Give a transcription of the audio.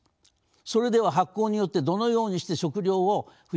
それでは発酵によってどのようにして食糧を増やしていくのでしょうか。